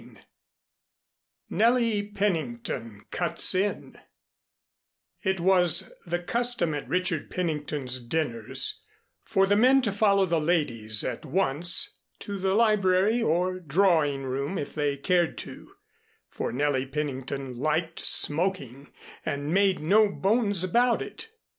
XII NELLIE PENNINGTON CUTS IN It was the custom at Richard Pennington's dinners for the men to follow the ladies at once to the library or drawing room if they cared to, for Nellie Pennington liked smoking and made no bones about it.